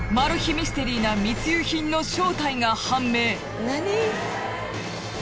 ミステリーな密輸品の正体が判明。